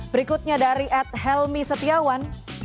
berikutnya dari ed helmi setiawan